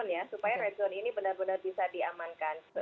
ya supaya red zone ini benar benar bisa diamankan